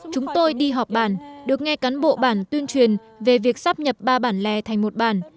chúng tôi đi họp bàn được nghe cán bộ bản tuyên truyền về việc sắp nhập ba bản lè thành một bản